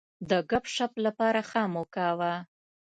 د ګپ شپ لپاره ښه موقع وه.